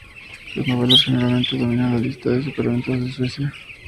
Sus novelas generalmente dominan la lista de superventas de Suecia.